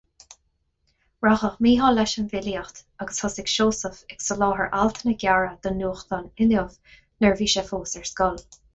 Rachadh Mícheál leis an bhfilíocht agus thosaigh Seosamh ag soláthar altanna gearra don nuachtán Inniu nuair a bhí sé fós ar scoil.